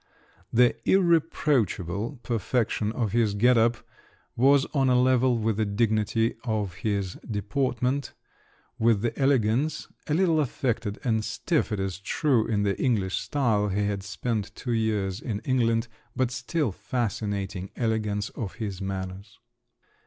The irreproachable perfection of his get up was on a level with the dignity of his deportment, with the elegance—a little affected and stiff, it is true, in the English style (he had spent two years in England)—but still fascinating, elegance of his manners!